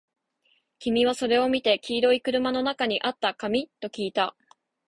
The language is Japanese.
君はそれを見て、黄色い車の中にあった紙？ときいた